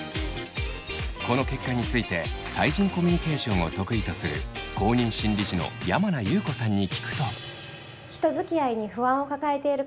この結果について対人コミュニケーションを得意とする公認心理師の山名裕子さんに聞くと。